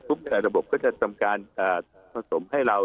แล้วทุกนิดหนึ่งระบบก็จะทำการผสมให้เรา